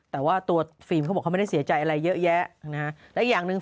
แต่ว่าตัวฟิล์มเขาบอกเขาไม่ได้เสียใจอะไรเยอะแยะนะฮะและอีกอย่างหนึ่ง